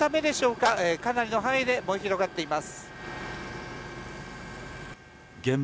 かなりの範囲で燃え広がっています。